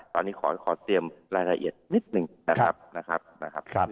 ตอนนี้ขอเตรียมรายละเอียดนิดหนึ่งนะครับนะครับ